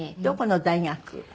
どこの大学？